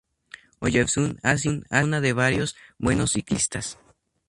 Oyarzun ha sido cuna de varios buenos ciclistas.